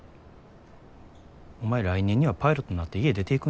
お前来年にはパイロットになって家出ていくんやろ。